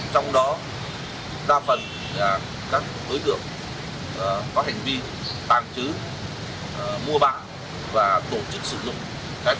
trong đó đa phần là các đối tượng có hành vi tàn trứ mua bạc và tổ chức sử dụng khái phép chất bản lý